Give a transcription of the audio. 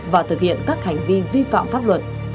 và thực hiện các hành vi vi phạm pháp luật